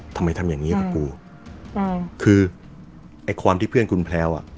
ทำไมทำอย่างงี้กับกูใช่คือไอ้ความที่เพื่อนคุณแพลวอ่ะ